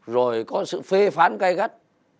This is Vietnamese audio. rồi có sự phê phán cay gắt